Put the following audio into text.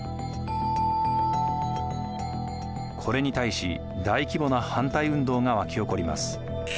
これに対し大規模な反対運動が沸き起こります。